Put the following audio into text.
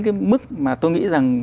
cái mức mà tôi nghĩ rằng